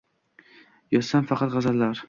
Yozsam faqat g’azallar